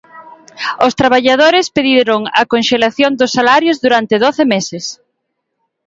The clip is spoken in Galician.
Os traballadores pediron a conxelación dos salarios durante doce meses.